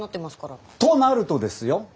となるとですよ？